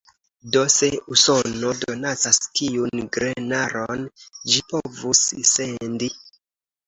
Do, se Usono donacas, kiun grenaron ĝi povus sendi?